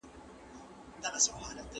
هغه پوه شو چي انګریزان یې ملګري نه دي.